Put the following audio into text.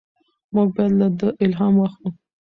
موږ باید له ده الهام واخلو.